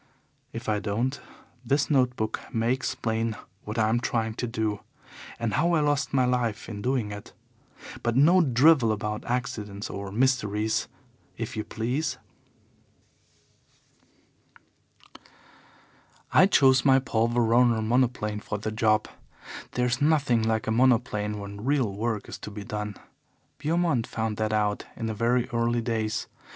If I don't this note book may explain what I am trying to do, and how I lost my life in doing it. But no drivel about accidents or mysteries, if YOU please. "I chose my Paul Veroner monoplane for the job. There's nothing like a monoplane when real work is to be done. Beaumont found that out in very early days.